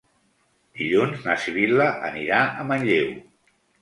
Dilluns na Sibil·la anirà a Manlleu.